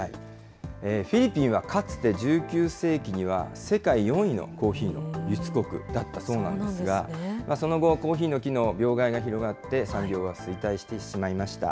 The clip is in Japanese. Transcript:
フィリピンはかつて１９世紀には、世界４位のコーヒーの輸出国だったそうなんですが、その後、コーヒーの木の病害が広がって、産業が衰退してしまいました。